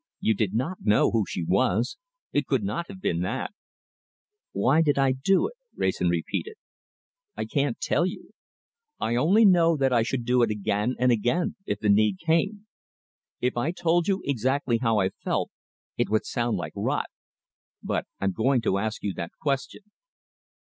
"You did not know who she was. It could not have been that." "Why did I do it?" Wrayson repeated. "I can't tell you. I only know that I should do it again and again if the need came. If I told you exactly how I felt, it would sound like rot. But I'm going to ask you that question."